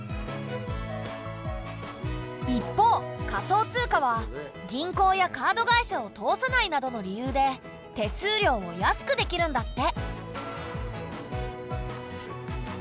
一方仮想通貨は銀行やカード会社を通さないなどの理由で手数料を安くできるんだって。